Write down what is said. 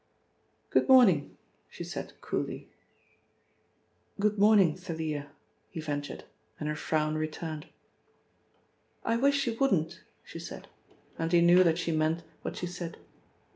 "Good morning," she said coolly. "Good morning, Thalia," he ventured, and her frown returned. "I wish you wouldn't," she said, and he knew that she meant what she said.